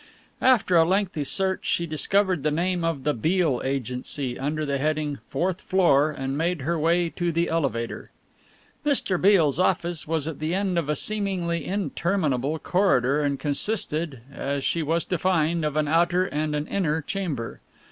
After a lengthy search she discovered the name of the Beale Agency under the heading "fourth floor" and made her way to the elevator. Mr. Beale's office was at the end of a seemingly interminable corridor and consisted, as she was to find, of an outer and an inner chamber.